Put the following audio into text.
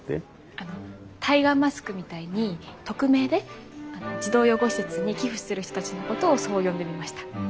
あのタイガーマスクみたいに匿名で児童養護施設に寄付してる人たちのことをそう呼んでみました。